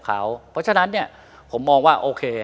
เขาเพราะฉะนั้นเนี้ยผมมองว่า